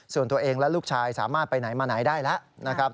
ส่วนตัวเองและลูกชายสามารถไปไหนมาไหนได้แล้วนะครับ